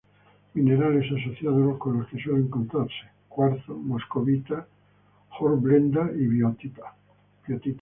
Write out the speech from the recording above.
Minerales asociados con los que suele encontrarse: cuarzo, moscovita, hornblenda y biotita.